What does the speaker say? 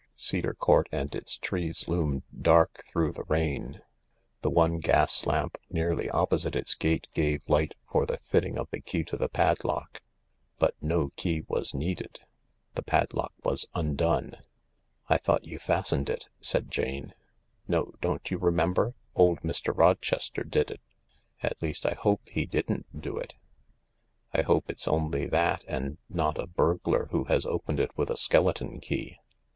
Cedar Court and its trees loomed dark through the rain. The one gas lamp nearly opposite its gate gave light for the fitting of the key to the padlock. But no key was needed. The padlock was undone. " I thought you fastened it," said Jane. " No — don't you remember ? Old Mr. Rochester did it : at least, I hope he didn't do it. I hope it's only that, and not a burglar who has opened it with a skeleton key."